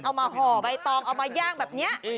ห่อใบตองเอามาย่างแบบนี้